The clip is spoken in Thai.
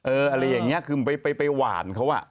อะไรอย่างนี้คือไปหวานเขา